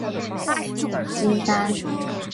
耿浩一时惊呆。